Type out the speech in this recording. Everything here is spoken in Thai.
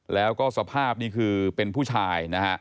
แล้วก็สภาพนี่คือเป็นผู้ชายนะฮะ